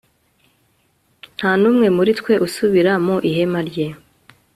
nta n'umwe muri twe usubira mu ihema rye